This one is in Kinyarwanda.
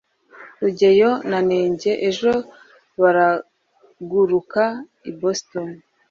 rugeyo na nenge ejo baraguruka i boston